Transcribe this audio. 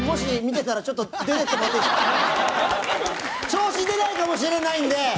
調子出ないかもしれないので！